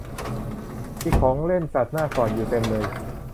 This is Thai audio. มีของเล่นสัตว์น่ากอดอยู่เต็มเลย